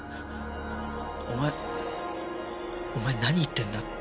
お前お前何言ってんだ？